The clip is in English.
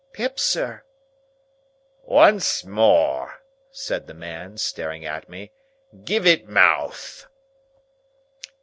"Pip, sir." "Once more," said the man, staring at me. "Give it mouth!"